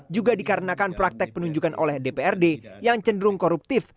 juga dikarenakan praktek penunjukan oleh dprd yang cenderung koruptif